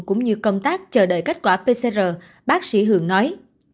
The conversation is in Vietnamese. cũng như công tác chờ đợi kết quả pcr bác sĩ hường nói